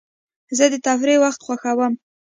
زه د تفریح وخت خوښوم.